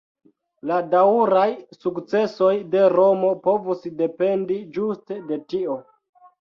La daŭraj sukcesoj de Romo povus dependi ĝuste de tio.